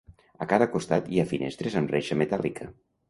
A cada costat hi ha finestres amb reixa metàl·lica.